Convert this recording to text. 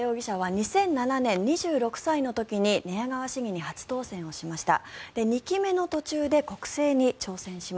吉羽容疑者は２００７年２６歳の時に寝屋川市議に初当選しました。